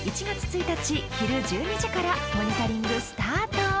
１月１日昼１２時からモニタリングスタート！